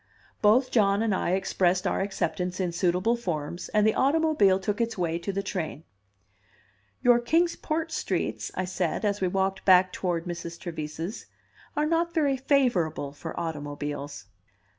Both John and I expressed our acceptance in suitable forms, and the automobile took its way to the train. "Your Kings Port streets," I said, as we walked back toward Mrs. Trevise's, "are not very favorable for automobiles."